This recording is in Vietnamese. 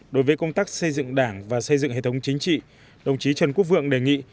đối với công tác xây dựng đảng và xây dựng hệ thống chính trị đồng chí trần quốc vượng đề nghị